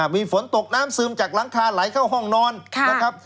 มีฝนตกน้ำซึมจากหลังคาไหลเข้าห้องนอนนะครับ